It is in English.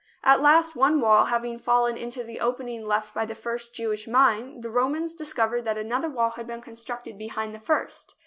At last, one wall having fallen into the opening left by the first Jewish mine, the Romans discov ered that another wall had been constructed behind the first.